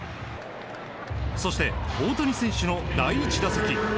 そして、大谷選手の第１打席。